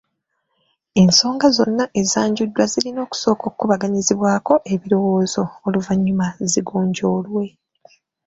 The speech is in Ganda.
Ensonga zonna ezanjuddwa zirina okusooka okukubaganyizibwako ebirowoozo oluvannyuma zigonjoolwe.